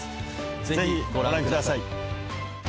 ぜひ御覧ください。